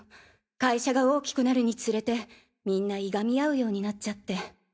会社が大きくなるにつれてみんないがみ合うようになっちゃって。